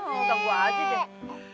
enggak gua aja deh